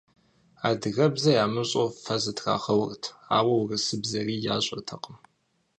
Адыгэбзэ ямыщӏэу фэ зытрагъауэрт, ауэ урысыбзэри ящӏэртэкъым.